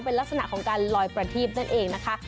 เป็นลักษณะของการลอยประทีบนั่นเองนะคะ